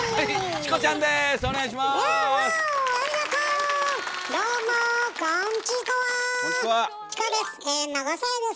チコです